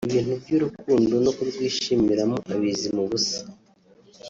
Ibintu by’urukundo no kurwishimiramo abizi mu busa